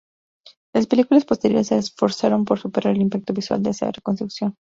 Las películas posteriores se esforzaron en superar el impacto visual de esa reconstrucción.